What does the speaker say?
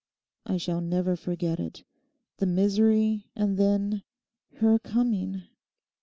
I shall never forget it—the misery, and then, her coming.